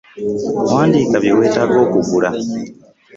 Wandiika bye weetaaga okugula